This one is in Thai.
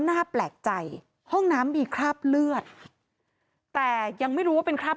น่าแปลกใจห้องน้ำมีคราบเลือดแต่ยังไม่รู้ว่าเป็นคราบ